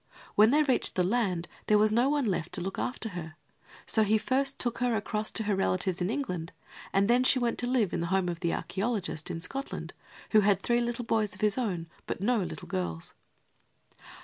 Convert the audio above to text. When they reached the land there was no one left to look after her; so he first took her across to her relatives in England and then she went to live in the home of the archaeologist, in Scotland, who had three little boys of his own but no little girls.